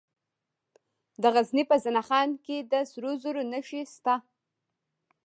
د غزني په زنه خان کې د سرو زرو نښې شته.